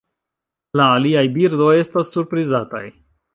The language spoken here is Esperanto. La aliaj birdoj estas surprizataj.